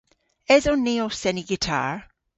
Eson ni ow seni gitar?